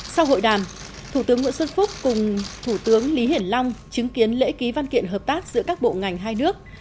sau hội đàm thủ tướng nguyễn xuân phúc cùng thủ tướng lý hiển long chứng kiến lễ ký văn kiện hợp tác giữa các bộ ngành hai nước